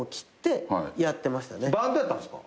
バンドやったんですか？